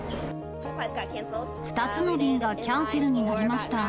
２つの便がキャンセルになりました。